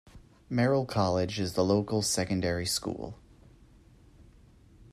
Merrill College is the local secondary school.